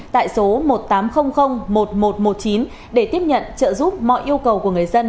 tại số một nghìn tám trăm linh một nghìn một trăm một mươi chín để tiếp nhận trợ giúp mọi yêu cầu của người dân